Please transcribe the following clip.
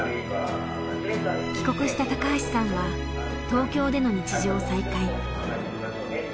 帰国した高橋さんは東京での日常を再開。